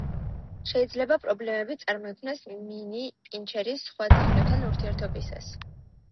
შეიძლება პრობლემები წარმოიქმნას მინი პინჩერის სხვა ძაღლებთან ურთიერთობისას.